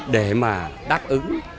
để mà đáp ứng